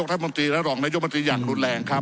ขอประท้วงครับขอประท้วงครับขอประท้วงครับขอประท้วงครับ